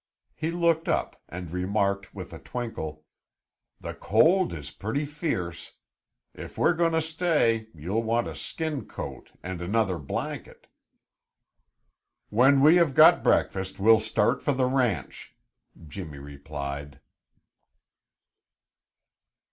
He looked up and remarked with a twinkle: "The cold is pretty fierce. If we're going to stay, you'll want a skin coat and another blanket." "When we have got breakfast we'll start for the ranch," Jimmy replied.